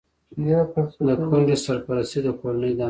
د کونډې سرپرستي د کورنۍ دنده ده.